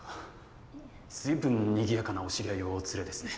ずいぶん賑やかなお知り合いをお連れですね。